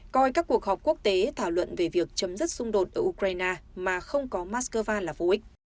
coi các cuộc họp quốc tế thảo luận về việc chấm dứt xung đột ở ukraine mà không có moscow là vô ích